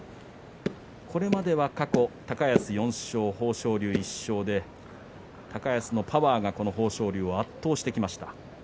これまでは過去高安４勝、豊昇龍１勝で高安のパワーが豊昇龍を圧倒してきました。